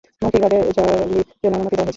মৌখিকভাবে র্যালির জন্য অনুমতি দেওয়া হয়েছে।